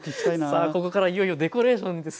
さあここからいよいよデコレーションです。